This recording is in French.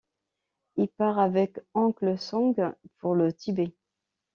Il part avec oncle Sung pour le Tibet.